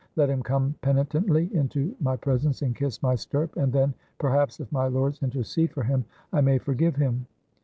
Let him come peni tently into my presence and kiss my stirrup, and then, perhaps, if my lords intercede for him, Imay forgive him.